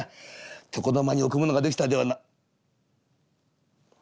床の間に置くものができたではな」。